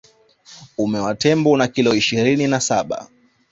Uume wa tembo una kilo ishirini na saba